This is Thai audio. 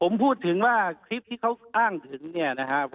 ผมพูดถึงว่าคลิปที่เขาอ้างถึงเนี่ยนะครับ